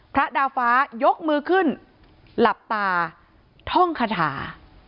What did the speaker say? พระดาฟ้ายกมือขึ้นหลับตาท่องคาถา